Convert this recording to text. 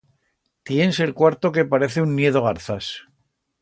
Tiens el cuarto que parece un niedo garzas.